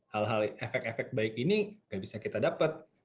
hal hal efek efek baik ini gak bisa kita dapat